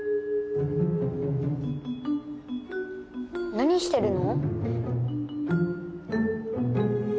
何してるの？